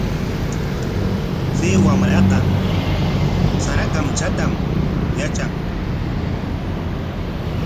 Chay wamraqa sara kamchatam yatran.